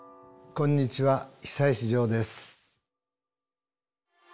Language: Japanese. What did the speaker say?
こんにちは久石譲です。